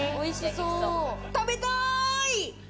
食べたい！